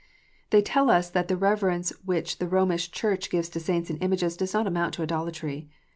They tell us that the reverence which the Romish Church gives to saints and images does not amount to idolatry.